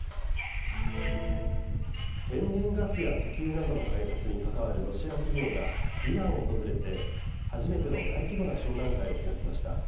天然ガスや石油などの開発に関わるロシア企業がイランを訪れて初めての大規模な商談会を開きました。